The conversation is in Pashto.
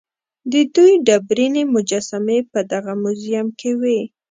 د دوی ډبرینې مجسمې په دغه موزیم کې وې.